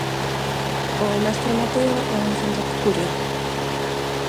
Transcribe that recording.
O Mestre Mateo é un centro peculiar.